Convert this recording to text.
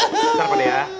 bentar pak deh ya